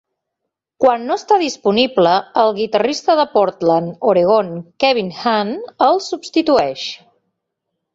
Quan no està disponible, el guitarrista de Portland (Oregon) Kevin Hahn el substitueix.